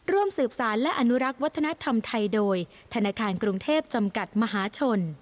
ร่วมสืบสารและอนุรักษ์วัฒนธรรมไทยโดยธนาคารกรุงเทพจำกัดมหาชน